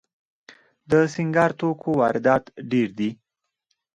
د سینګار توکو واردات ډیر دي